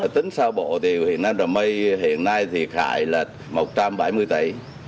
tính sao bộ thì hiện nay thì khai là một trăm bảy mươi tỷ